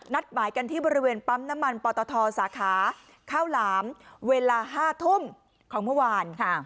หมายกันที่บริเวณปั๊มน้ำมันปตทสาขาข้าวหลามเวลา๕ทุ่มของเมื่อวาน